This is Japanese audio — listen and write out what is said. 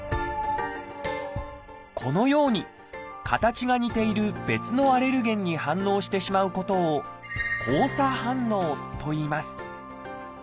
このように形が似ている別のアレルゲンに反応してしまうことを「交差反応」といいます。